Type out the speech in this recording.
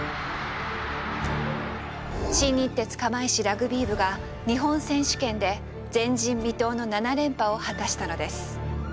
新日鉄釜石ラグビー部が日本選手権で前人未到の７連覇を果たしたのです。